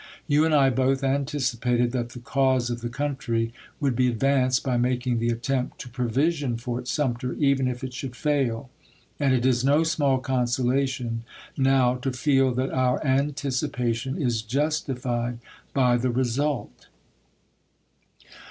.. You and I both antici pated that the cause of the country would be advanced by making the attempt to provision Fort Sumter, even if Linpoin it should fail; and it is no small consolation now to feel May 1, 1861. that our anticipation is justified by the result.